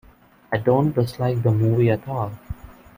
I don't dislike the movie at all.